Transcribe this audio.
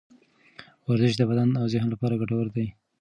ورزش د بدن او ذهن لپاره ګټور دی.